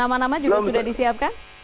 nama nama juga sudah disiapkan